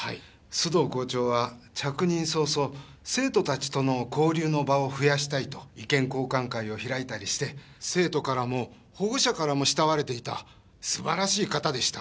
須藤校長は着任早々生徒たちとの交流の場を増やしたいと意見交換会を開いたりして生徒からも保護者からも慕われていた素晴らしい方でした。